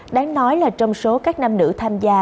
đáng nói là trong số các nam nữ tham gia